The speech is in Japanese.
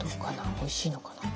おいしいのかな。